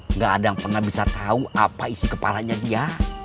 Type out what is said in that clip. nggak ada yang pernah bisa tahu apa isi kepalanya dia